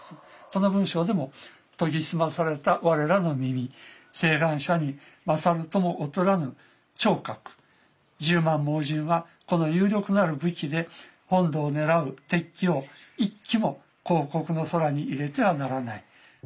この文章でも「磨ぎ澄まされた我らの耳眼者に勝るとも劣らぬ聽覺十万盲人はこの有力なる武器で本土を狙ふ敵機を一機も皇國の空に入れてはならない」。